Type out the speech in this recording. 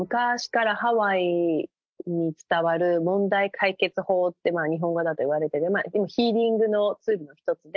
昔からハワイに伝わる問題解決法って、まあ、日本語だと言われてる、ヒーリングのツールの一つで。